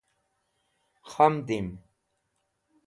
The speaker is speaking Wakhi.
Khamdim.